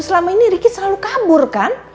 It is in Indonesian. selama ini riki gak bisa nangkep riki loh noh